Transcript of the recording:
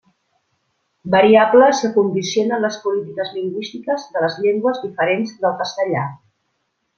Variables que condicionen les polítiques lingüístiques de les llengües diferents del castellà.